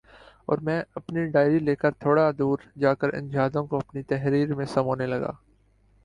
اور میں اپنی ڈائری لے کر تھوڑا دور جا کر ان یادوں کو اپنی تحریر میں سمونے لگا